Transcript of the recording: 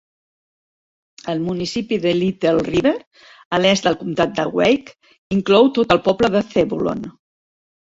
El municipi de Little River, a l'est del comtat de Wake, inclou tot el poble de Zebulon.